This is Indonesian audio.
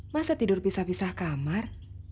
masa tidur pisah pisah kamar